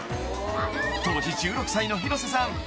［当時１６歳の広瀬さん